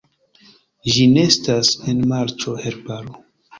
Ĝi nestas en marĉo, herbaro.